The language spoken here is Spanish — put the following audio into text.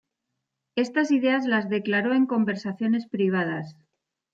Estas ideas las declaró en conversaciones privadas.